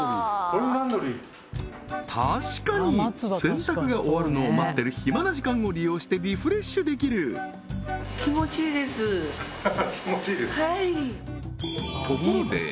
確かに洗濯が終わるのを待ってる暇な時間を利用してリフレッシュできる気持ちいいですか？